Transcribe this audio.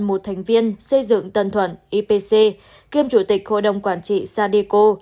một thành viên xây dựng tân thuận ipc kiêm chủ tịch hội đồng quản trị sadeco